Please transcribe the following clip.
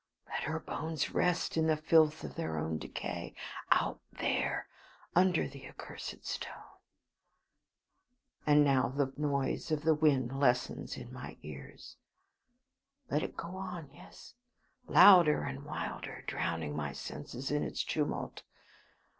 Let her bones rest in the filth of their own decay, out there under the accursed stone. And now the noise of the wind lessens in my ears. Let it go on, yes, louder and wilder, drowning my senses in its tumult.